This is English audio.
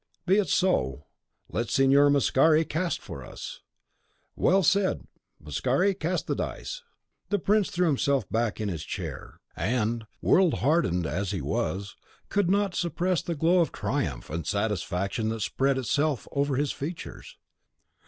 Be it so; let Signor Mascari cast for us." "Well said! Mascari, the dice!" The prince threw himself back in his chair; and, world hardened as he was, could not suppress the glow of triumph and satisfaction that spread itself over his features.